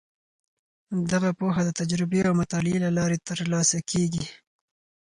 دغه پوهه د تجربې او مطالعې له لارې ترلاسه کیږي.